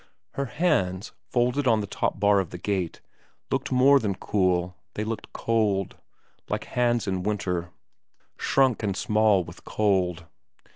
Her hands, folded on the top bar of the gate, looked more than cool, they looked cold ; like hands in winter, shrunk and small with cold.